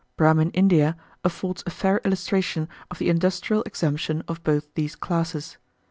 Brahmin India affords a fair illustration of the industrial exemption of both these classes.